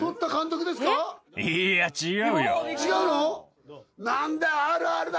違うの？